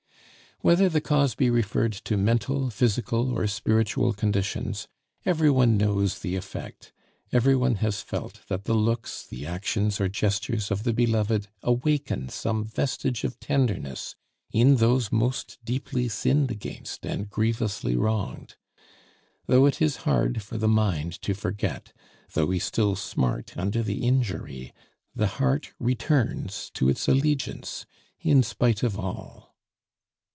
Whether the cause be referred to mental, physical, or spiritual conditions, everyone knows the effect; every one has felt that the looks, the actions or gestures of the beloved awaken some vestige of tenderness in those most deeply sinned against and grievously wronged. Though it is hard for the mind to forget, though we still smart under the injury, the heart returns to its allegiance in spite of all.